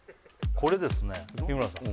これですね日村さん